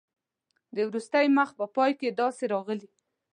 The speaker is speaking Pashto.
د وروستي مخ په پای کې داسې راغلي.